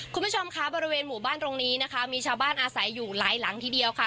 คุณผู้ชมคะบริเวณหมู่บ้านตรงนี้นะคะมีชาวบ้านอาศัยอยู่หลายหลังทีเดียวค่ะ